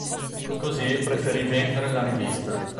Così preferì vendere la rivista.